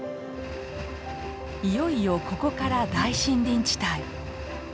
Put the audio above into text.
いよいよここから大森林地帯。